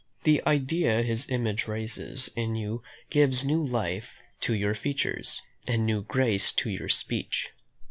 The idea his image raises in you gives new life to your features, and new grace to your speech.